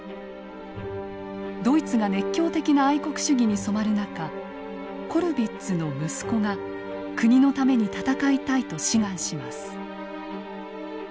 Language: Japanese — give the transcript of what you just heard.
ドイツが熱狂的な愛国主義に染まる中コルヴィッツの息子が国のために戦いたいと志願します。